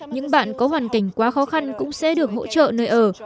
những bạn có hoàn cảnh quá khó khăn cũng sẽ được hỗ trợ nơi ở